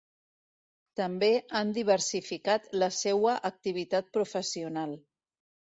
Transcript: També han diversificat la seua activitat professional.